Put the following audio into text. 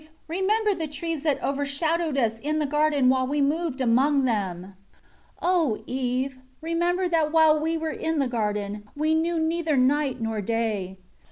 Remember the trees that overshadowed us in the garden while we moved among them. 9 O Eve! Remember that while we were in the garden, we knew neither night nor day.